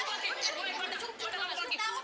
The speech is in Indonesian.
udah mau lagi